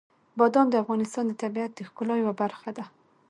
بادام د افغانستان د طبیعت د ښکلا یوه برخه ده.